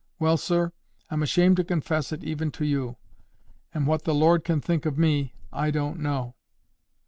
Well, sir, I'm ashamed to confess it even to you; and what the Lord can think of me, I don't know."